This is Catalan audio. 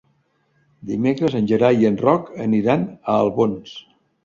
Dimecres en Gerai i en Roc aniran a Albons.